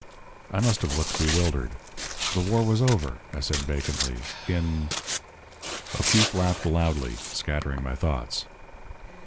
I must have looked bewildered. "The war was over," I said vacantly, "in " O'Keefe laughed loudly, scattering my thoughts.